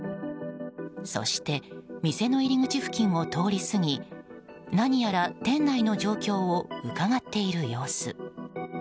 そして店の入り口付近を通り過ぎ何やら店内の状況をうかがっている様子。